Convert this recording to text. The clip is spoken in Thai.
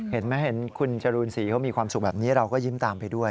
เห็นไหมเห็นคุณจรูนศรีเขามีความสุขแบบนี้เราก็ยิ้มตามไปด้วย